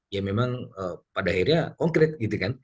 ya memang pada akhirnya konkret